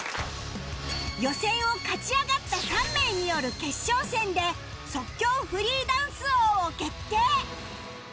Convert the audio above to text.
予選を勝ち上がった３名による決勝戦で即興フリーダンス王を決定